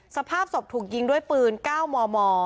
สภาพศพถูกยิงด้วยปืน๙มม